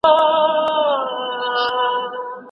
بهرنۍ پالیسي د هیواد د اقتصادي راتلونکي لپاره ډیره مهمه ده.